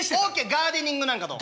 ガーデニングなんかどう？